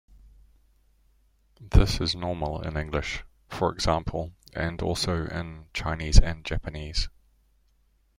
This is normal in English, for example, and also in Chinese and Japanese.